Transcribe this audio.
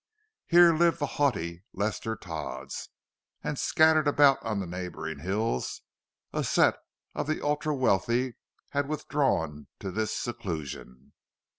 Here lived the haughty Lester Todds, and scattered about on the neighbouring hills, a set of the ultra wealthy who had withdrawn to this seclusion.